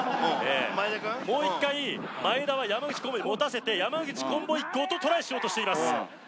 もう一回真栄田は山口コンボイに持たせて山口コンボイごとトライしようとしています